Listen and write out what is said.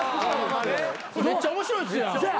めっちゃ面白いですやん。